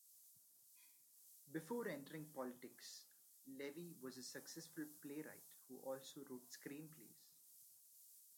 Before entering politics, Levy was a successful playwright who also wrote screenplays.